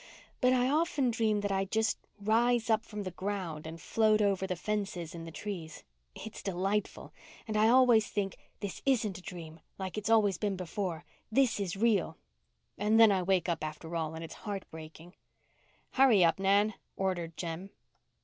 "But I often dream that I just rise up from the ground and float over the fences and the trees. It's delightful—and I always think, 'This isn't a dream like it's always been before. This is real'—and then I wake up after all, and it's heart breaking." "Hurry up, Nan," ordered Jem.